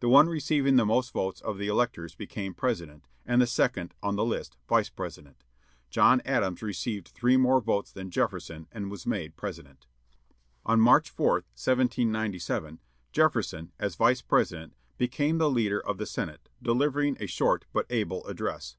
The one receiving the most votes of the electors became President, and the second on the list, Vice President. John Adams received three more votes than Jefferson, and was made President. On March 4, 1797, Jefferson, as Vice President, became the leader of the Senate, delivering a short but able address.